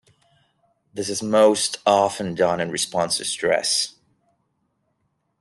This is most often done in response to stress.